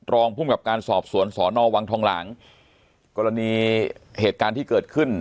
รองภูมิกับการสอบสวนสอนอวังทองหลางกรณีเหตุการณ์ที่เกิดขึ้น